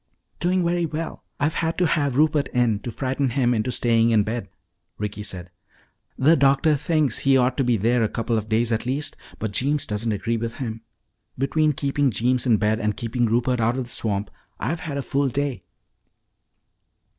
"Doing very well. I've had to have Rupert in to frighten him into staying in bed," Ricky said. "The doctor thinks he ought to be there a couple of days at least. But Jeems doesn't agree with him. Between keeping Jeems in bed and keeping Rupert out of the swamp I've had a full day."